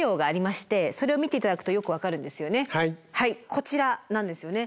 こちらなんですよね。